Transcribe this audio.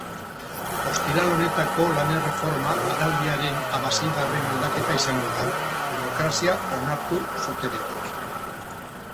Ostiral honetako lan-erreforma araudiaren hamaseigarren aldaketa izango da, demokrazia onartu zutenetik.